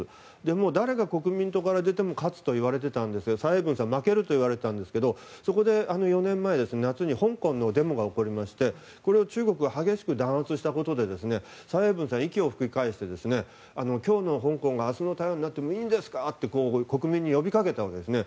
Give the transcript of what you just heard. もう、誰が国民党から出ても勝つといわれて蔡英文さん、負けると言われていたんですが４年前の夏に香港のデモが起こりましてこれを中国が激しく弾圧したことで蔡英文さんは息を吹き返して今日の香港が明日の台湾になってもいいんですか！と国民に呼びかけたんですね。